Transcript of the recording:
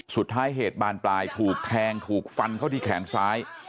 สุดท้ายเหตุบ้านปลายถูกแทงถูกฟันเขาที่แข็งซ้าย